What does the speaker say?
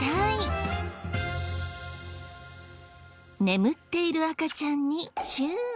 眠っている赤ちゃんにチュー。